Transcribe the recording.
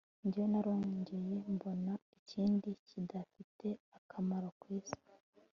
jyewe narongeye mbona ikindi kidafite akamaro ku isi